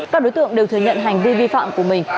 các đối tượng đều thừa nhận hành vi vi phạm của mình